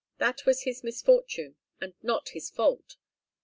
That was his misfortune, and not his fault.